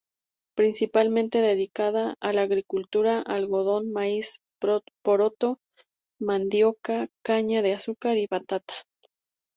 Principalmente dedicada a la agricultura: algodón, maíz, poroto, mandioca, caña de azúcar y batata.